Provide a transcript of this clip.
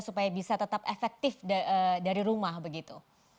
supaya bisa tetap efektif dari rumah begitu